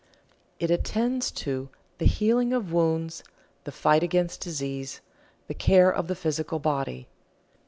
It attends to the healing of wounds, the fight against disease, the care of the physical body.